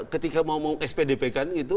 ketika mau mau spdp kan gitu